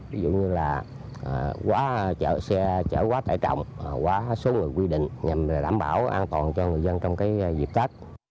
ví dụ như là quá chở xe chở quá tải trọng quá số người quy định nhằm đảm bảo an toàn cho người dân trong dịp tết